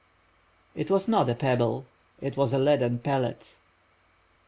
It was not a pebble, it was a leaden pellet.